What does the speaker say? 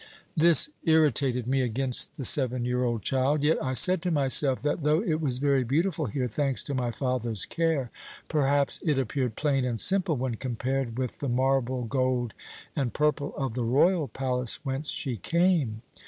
"This irritated me against the seven year old child, yet I said to myself that, though it was very beautiful here thanks to my father's care perhaps it appeared plain and simple when compared with the marble, gold, and purple of the royal palace whence she came.